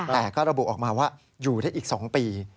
แต่ก็ระบุออกมาว่าอยู่ได้อีก๒ปี